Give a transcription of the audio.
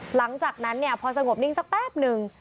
หลังจากนั้นเนี่ยพอสงบนิ่งสักแป๊บนึง